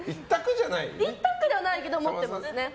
一択ではないけど、持ってます。